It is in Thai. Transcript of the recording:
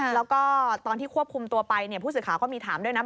แล้วก็ตอนที่ควบคุมตัวไปเนี่ยผู้สื่อข่าวก็มีถามด้วยนะ